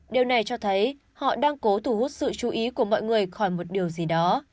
điều này cho thấy họ đang cố thủ hút sự chú ý của mọi người khỏi một điều gì đó